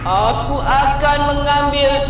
aku akan mengambil